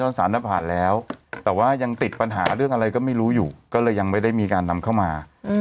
สารผ่านแล้วแต่ว่ายังติดปัญหาเรื่องอะไรก็ไม่รู้อยู่ก็เลยยังไม่ได้มีการนำเข้ามา